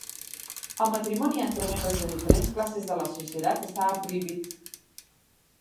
El matrimoni entre membres de diferents classes de la societat estava prohibit.